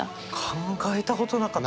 考えたことなかった。